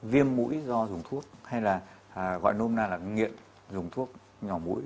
viêm mũi do dùng thuốc hay là gọi nôm na là nghiện dùng thuốc nhỏ mũi